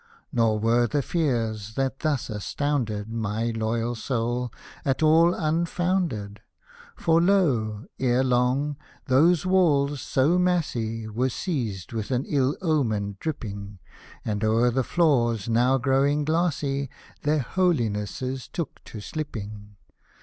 Nor were the fears, that thus astounded My loyal soul, at all unfounded — For, lo ! ere long, those walls so massy Were seized with an ill omened dripping, And o'er the floors, now growing glassy, Their Holinesses took to slipping.